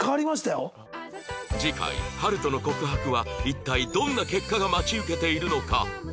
次回晴翔の告白は一体どんな結果が待ち受けているのか？